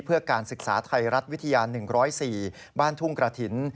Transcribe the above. เพื่อการศึกษาไทยรัฐวิทยา๑๐๔บ้านทุ่งกระถิ่น